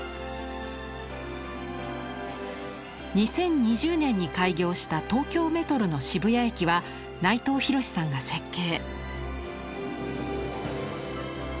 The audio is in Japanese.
２０２０年に開業した東京メトロの渋谷駅は内藤廣さんが設計。